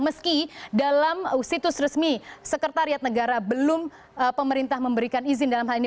meski dalam situs resmi sekretariat negara belum pemerintah memberikan izin dalam hal ini